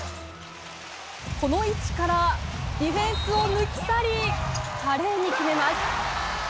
この位置からディフェンスを抜き去り、華麗に決めます。